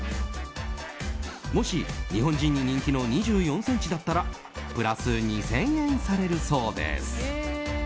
もし日本人に人気の２４ｃｍだったらプラス２０００円されるそうです。